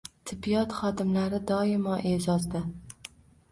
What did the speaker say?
Tibbiyot xodimlari doimo e’zozda